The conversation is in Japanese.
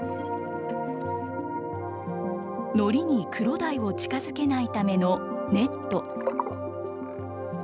のりにクロダイを近づけないためのネット。